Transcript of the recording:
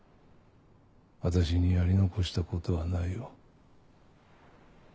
私にやり残したことはないよ。